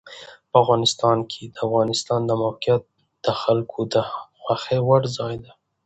افغانستان کې د افغانستان د موقعیت د خلکو د خوښې وړ ځای دی.